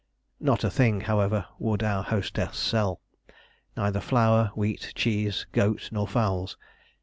Not a thing, however, would our hostess sell: neither flour, wheat, cheese, goat, nor fowls.